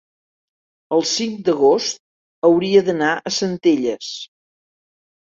el cinc d'agost hauria d'anar a Centelles.